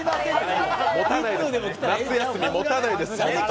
夏休み、もたないです。